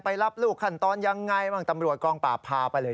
รับลูกขั้นตอนยังไงบ้างตำรวจกองปราบพาไปเลย